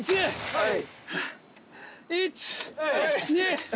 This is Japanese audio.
はい！